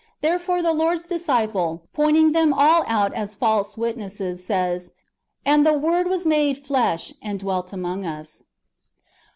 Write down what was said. Therefore the Lord's disciple, pointing them all out as false witnesses, says, " And the Word was made flesh, and dwelt among us."